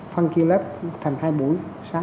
phân kia lớp thành hai buổi